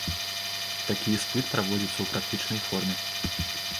Такі іспыт праводзіцца ў практычнай форме.